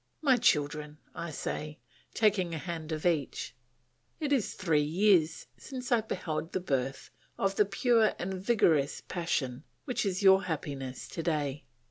"My children," say I, taking a hand of each, "it is three years since I beheld the birth of the pure and vigorous passion which is your happiness to day.